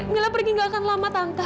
mila pergi gak akan lama tangka